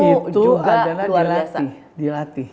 juga luar biasa itu adalah dilatih